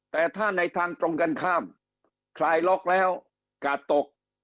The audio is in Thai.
แต่ถ้าในทางตรงกันข้ามคลายล็อกแล้วกาดตก